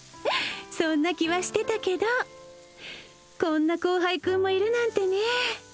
そんな気はしてたけどこんな後輩君もいるなんてねえ